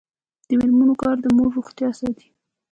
د میرمنو کار د مور روغتیا ساتي.